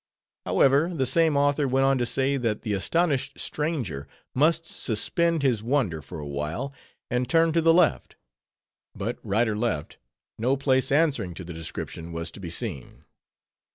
_ However, the same author went on to say, that the "astonished stranger must suspend his wonder for awhile, and turn to the left." But, right or left, no place answering to the description was to be seen.